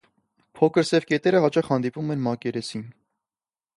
Փոքր սև կետերը հաճախ հանդիպում են մակերեսին։